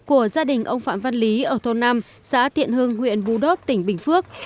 của gia đình ông phạm văn lý ở thôn năm xã thiện hưng huyện bù đốc tỉnh bình phước